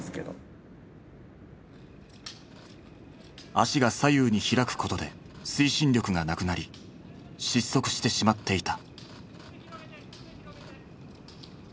足が左右に開くことで推進力がなくなり失速してしまっていた。